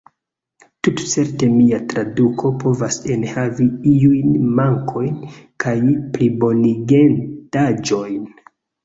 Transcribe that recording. Tutcerte, mia traduko povas enhavi iujn mankojn kaj plibonigendaĵojn.